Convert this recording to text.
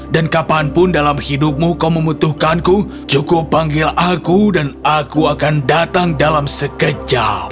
dan kapanpun dalam hidupmu kau membutuhkanku cukup panggil aku dan aku akan datang dalam sekejap